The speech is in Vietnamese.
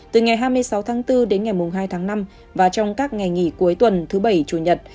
từ ngày hai mươi sáu tháng bốn đến ngày hai tháng năm và trong các ngày nghỉ cuối tuần thứ bảy chủ nhật